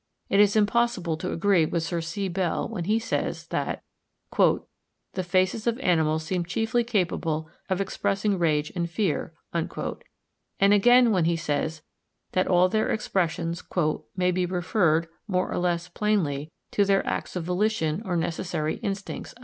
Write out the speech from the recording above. It is impossible to agree with Sir C. Bell when he says that "the faces of animals seem chiefly capable of expressing rage and fear;" and again, when he says that all their expressions "may be referred, more or less plainly, to their acts of volition or necessary instincts."